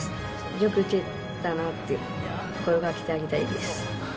よく蹴ったなって声かけてあげたいです。